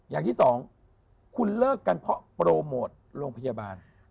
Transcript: อย่างที่สองคุณเลิกกันเพราะโปรโมทโรงพยาบาล